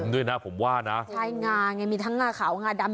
ด้วยนะผมว่านะใช่งาไงมีทั้งงาขาวงาดำ